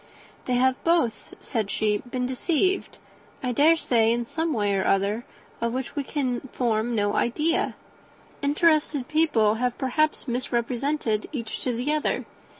"They have both," said she, "been deceived, I dare say, in some way or other, of which we can form no idea. Interested people have perhaps misrepresented each to the other.